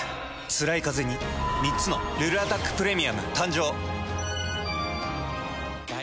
つらいカゼに３つの「ルルアタックプレミアム」誕生。